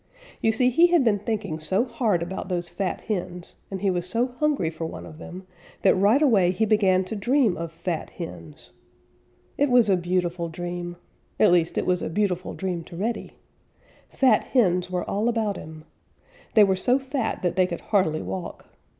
You see, he had been thinking so hard about those fat hens, and he was so hungry for one of them, that right away he began to dream of fat hens. It was a beautiful dream. At least, it was a beautiful dream to Reddy. Fat hens were all about him. They were so fat that they could hardly walk.